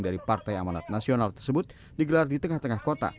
dari partai amanat nasional tersebut digelar di tengah tengah kota